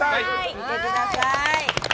見てください。